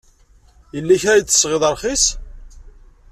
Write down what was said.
Yella kra ay d-tesɣiḍ rxis?